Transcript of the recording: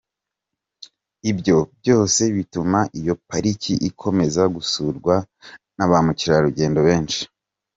Ibyo byose bituma iyo Pariki ikomeza gusurwa na ba mukerarugendo benshi.